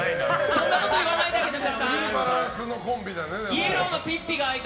そんなこと言わないでください。